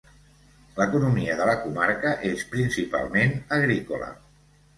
L'economia de la comarca és, principalment, agrícola.